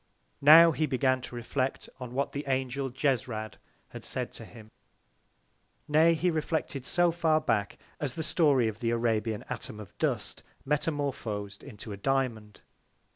Now he began to reflect on what the Angel Jesrad had said to him: Nay, he reflected so far back as the Story of the Arabian Atom of Dust metamorphosed into a Diamond.